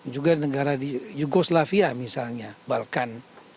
juga negara di yugoslavia misalnya balkan